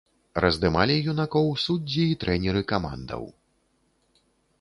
Раздымалі юнакоў суддзі і трэнеры камандаў.